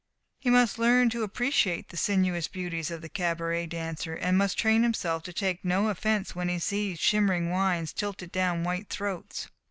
He must learn to appreciate the sinuous beauties of the cabaret dancer, and must train himself to take no offence when he sees shimmering wines tilted down white throats.